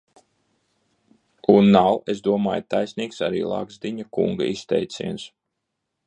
Un nav, es domāju, taisnīgs arī Lagzdiņa kunga izteiciens.